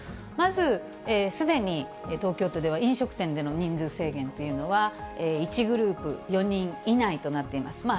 まず、すでに東京都では飲食店での人数制限というのは、１グループ４人以内となっています。